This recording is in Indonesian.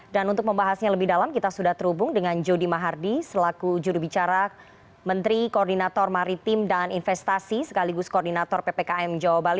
dan untuk membahasnya lebih dalam kita sudah terhubung dengan jody mahardi selaku jurubicara menteri koordinator maritim dan investasi sekaligus koordinator ppkm jawa bali